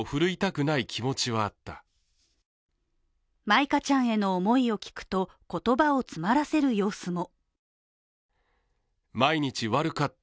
舞香ちゃんへの思いを聞くと言葉を詰まらせる様子も。